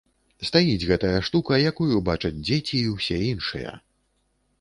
Стаіць гэтая штука, якую бачаць дзеці і ўсе іншыя.